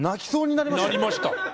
なりました。